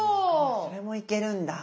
それもいけるんだ。